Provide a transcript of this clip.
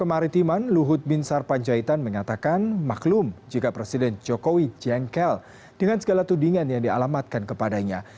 kemaritiman luhut bin sarpanjaitan mengatakan maklum jika presiden jokowi jengkel dengan segala tudingan yang dialamatkan kepadanya